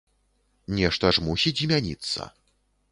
Нешта ж мусіць змяніцца.